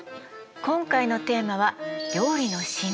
今回のテーマは「料理の神髄」。